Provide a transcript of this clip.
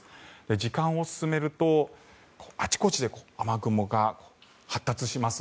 時間を進めるとあちこちで雨雲が発達します。